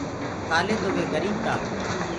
ڪآلي تو وي گريٚب تا۔